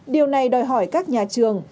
điều này đòi hỏi các nhà trường